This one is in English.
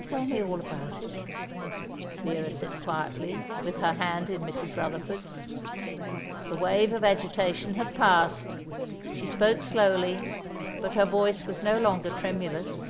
"Tell me all about it," Vera said quietly, with her hand in Mrs. Rutherford's. The wave of agitation had passed. She spoke slowly, but her voice was no longer tremulous.